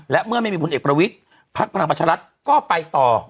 และเมื่อไม่มีพลเอกประวิทย์พักพลังประชารัฐก็ไปต่อ